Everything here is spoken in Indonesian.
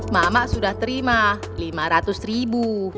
mamak sudah terima rp lima ratus